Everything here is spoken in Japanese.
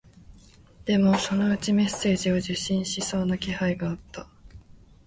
でも、そのうちメッセージを受信しそうな気配があった